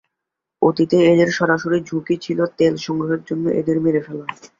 এটি দশটি নিয়মিত রেজিমেন্ট এবং একটি স্বেচ্ছাসেবক রেজিমেন্ট নিয়ে গঠিত।